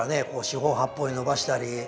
四方八方に伸ばしたり。